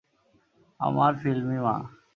আমার ফিল্মি মা।